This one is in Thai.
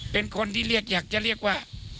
เป็นคนที่เรียกอยากจะเรียกว่า